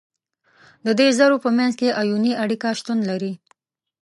د دې ذرو په منځ کې آیوني اړیکه شتون لري.